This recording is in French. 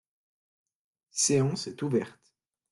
séance est ouverte.